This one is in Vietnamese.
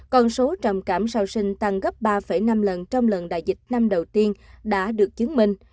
con số trầm cảm sau sinh tăng gấp ba năm lần trong lần đại dịch năm đầu tiên đã được chứng minh